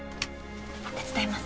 手伝います